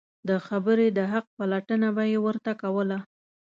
د خبرې د حق پلټنه به یې ورته کوله.